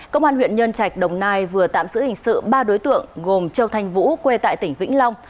công an huyện nhân trạch đồng nai vừa tạm giữ hình sự ba đối tượng gồm châu thanh vũ quê tại tỉnh vĩnh long